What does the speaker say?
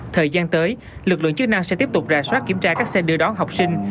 thời gian tới lực lượng chức năng sẽ tiếp tục rà soát kiểm tra các xe đưa đón học sinh